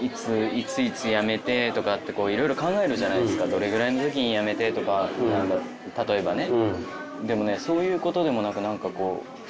どれぐらいの時に辞めてとか例えばね。